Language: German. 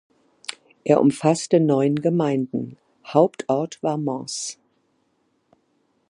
Er umfasste neun Gemeinden, Hauptort war Mens.